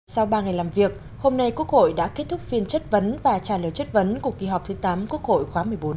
sau ba ngày làm việc hôm nay quốc hội đã kết thúc phiên chất vấn và trả lời chất vấn của kỳ họp thứ tám quốc hội khóa một mươi bốn